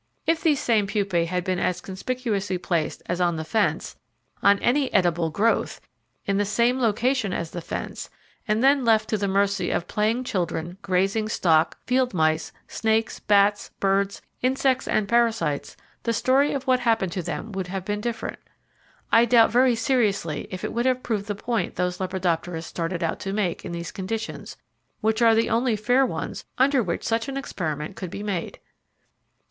If these same pupae had been as conspicuously placed as on the fence, on any EDIBLE GROWTH, in the same location as the fence, and then left to the mercy of playing children, grazing stock, field mice, snakes, bats, birds, insects and parasites, the story of what happened to them would have been different. I doubt very seriously if it would have proved the point those lepidopterists started out to make in these conditions, which are the only fair ones under which such an experiment could be made.